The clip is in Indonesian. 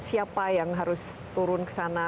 siapa yang harus turun ke sana